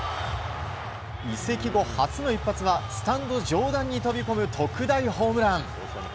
移籍後初の一発はスタンド上段に飛び込む特大ホームラン。